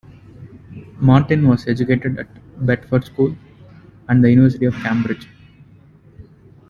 Martin was educated at Bedford School, and the University of Cambridge.